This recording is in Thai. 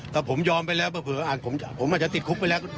แต่ผมยอมไปแล้วเผื่อผมอาจจะติดคุกไปแล้วก็ได้